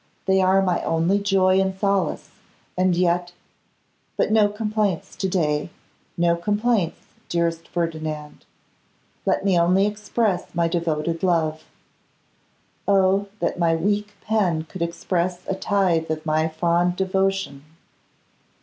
They are my only joy and solace, and yet but no complaints to day, no complaints, dearest Ferdinand; let me only express my devoted love. Oh! that my weak pen could express a tithe of my fond devotion.